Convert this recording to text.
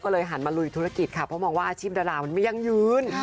ก็เลยหันมาลุยธุรกิจค่ะเพราะมองว่าอาชีพดารามันไม่ยั่งยืน